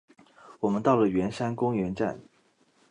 我们到了圆山公园站